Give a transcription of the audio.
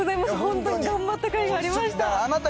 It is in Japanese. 本当に頑張ったかいがありました。